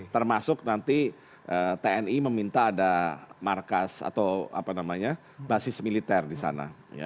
termasuk nanti tni meminta ada markas atau apa namanya basis militer di sana